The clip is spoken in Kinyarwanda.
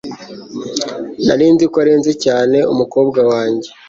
Nari nzi ko arenze cyane umukobwa wanjye